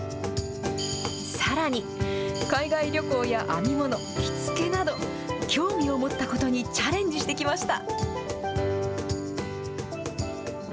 さらに、海外旅行に編み物、着付けなど、興味を持ったことにチャレンジしてきました。